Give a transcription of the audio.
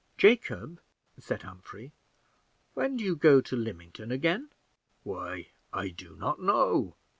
"Jacob," said Humphrey, "when do you go to Lymington again?" "Why, I do not know.